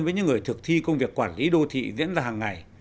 với những người thực thi công việc quản lý đô thị diễn ra hàng ngày